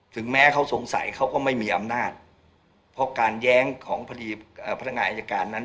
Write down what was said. ถึงแม้เขาสงสัยเขาก็ไม่มีอำนาจเพราะการแย้งของพอดีพนักงานอายการนั้น